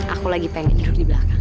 aku lagi pengen di belakang